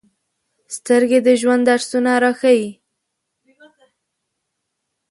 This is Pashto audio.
سترګې د ژوند درسونه راښيي